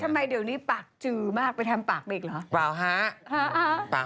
แต่ทำไมเดี๋ยวนี้ปากจือมากไปทำปากอีกละ